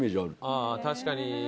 ああ確かに。